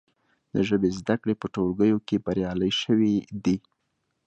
د ژبې زده کړې په ټولګیو کې بریالۍ شوي دي.